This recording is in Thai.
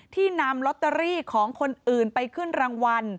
ที่นำลอตเตอรี่ของคนอื่นไปขึ้นรางวัล